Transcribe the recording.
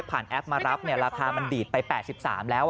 ช่างแอปมารับเนี่ยราคามันดีดไป๘๓แล้ว